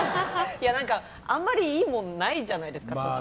あまりいいものないじゃないですか。